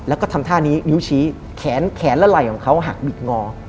แล้วก็ทำท่านี้นิ้วชี้แขนแขนและไหล่ของเขาหักบิดงอ